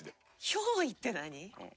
憑依って何？